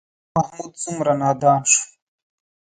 محمود څومره نادان شو.